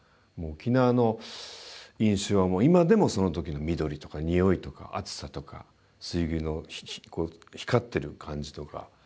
沖縄の印象は今でもその時の緑とか匂いとか暑さとか水牛のこう光ってる感じとか。